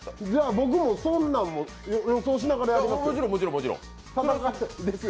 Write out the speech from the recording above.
僕もそんなんも予想しながらやりますよ。